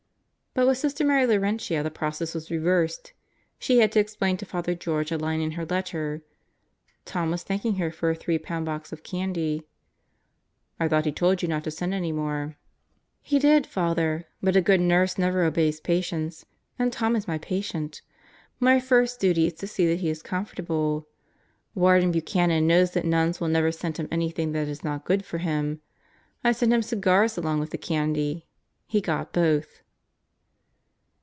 But with Sister Mary Laurentia the process was reversed; she had to explain to Father George a line in her letter. Tom was thanking her for a three pound box of candy. "I thought he told you not to send any more." "He did, Father. But a good nurse never obeys patients and Tom is my patient. My first duty is to see that he is comfortable. Warden Buchanan knows that nuns will never send him any thing that is not good for him. I sent cigars along with the candy. He got both."